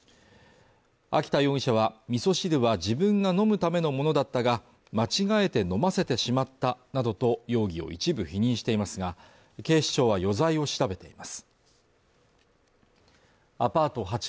秋田容疑者は味噌汁は自分が飲むためのものだったが間違えて飲ませてしまったなどと容疑を一部否認していますが警視庁は余罪を調べています